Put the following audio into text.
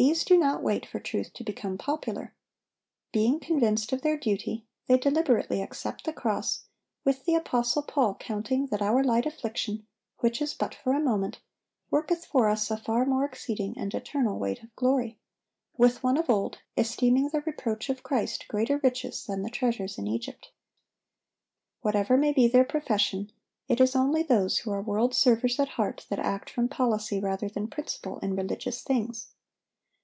These do not wait for truth to become popular. Being convinced of their duty, they deliberately accept the cross, with the apostle Paul counting that "our light affliction, which is but for a moment, worketh for us a far more exceeding and eternal weight of glory;"(773) with one of old, "esteeming the reproach of Christ greater riches than the treasures in Egypt."(774) Whatever may be their profession, it is only those who are world servers at heart that act from policy rather than principle in religious things.